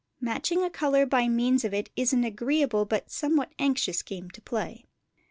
Matching a colour by means of it is an agreeable but somewhat anxious game to play.